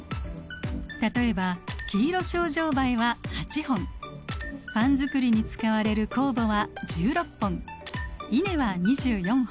例えばキイロショウジョウバエは８本パン作りに使われる酵母は１６本イネは２４本。